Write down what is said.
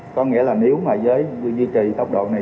có nghĩa là nếu mà với duy trì tốc độ này